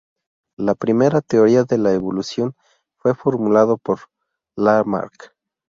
La primera teoría de la evolución fue formulada por Lamarck.